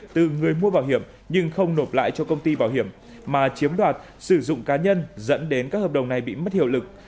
từ người mua bảo hiểm nhưng không nộp lại cho công ty bảo hiểm mà chiếm đoạt sử dụng cá nhân dẫn đến các hợp đồng này bị mất hiệu lực